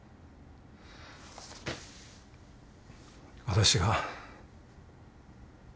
私が。